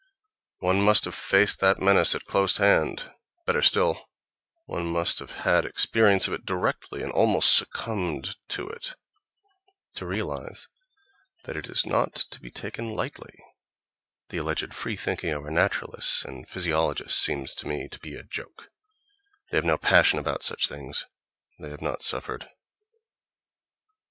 One must have faced that menace at close hand, better still, one must have had experience of it directly and almost succumbed to it, to realize that it is not to be taken lightly (—the alleged free thinking of our naturalists and physiologists seems to me to be a joke—they have no passion about such things; they have not suffered—).